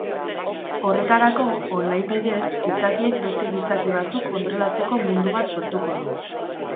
Horretarako, online bidez gizakiek beste gizaki batzuk kontrolatzeko mundu bat sortuko du.